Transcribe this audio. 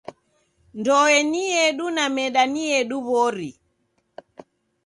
Ndoe ni yedu na meda ni yedu w'ori.